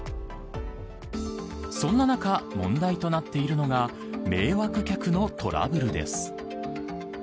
そんな中、問題となっているのが迷惑客のトラブルです。